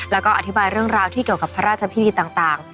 แล้วก็อธิบายเรื่องราวที่เกี่ยวกับพระราชพิธีต่าง